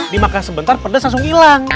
dimakan sebentar pedas langsung hilang